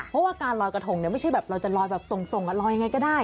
เพราะว่าการลอยกระทงเนี่ยไม่ใช่แบบเราจะลอยแบบส่งลอยยังไงก็ได้